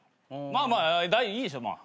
まあまあいいでしょ。